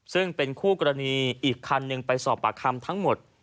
ซึ่งเป็นคู่กรณีอีกคันหนึ่งไปสอบปากคำทั้งหมด